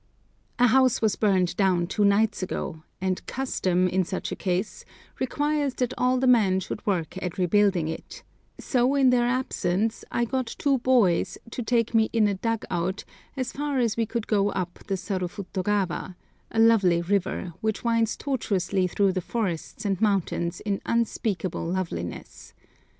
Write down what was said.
A house was burned down two nights ago, and "custom" in such a case requires that all the men should work at rebuilding it, so in their absence I got two boys to take me in a "dug out" as far as we could go up the Sarufutogawa—a lovely river, which winds tortuously through the forests and mountains in unspeakable loveliness.